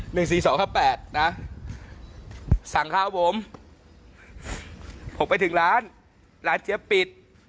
หนึ่งสี่สองห้าแปดนะสั่งข้าวผมผมไปถึงร้านร้านเจี๊ยบปิด